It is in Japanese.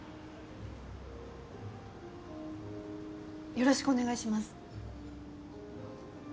よろしくお願いします。